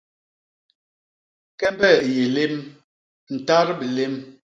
Kembe i yé lém; ntat bilém.